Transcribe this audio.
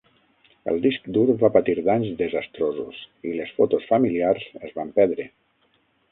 El disc dur va patir danys desastrosos i les fotos familiars es van perdre.